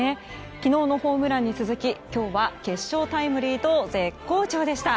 昨日のホームランに続き今日は決勝タイムリーと絶好調でした。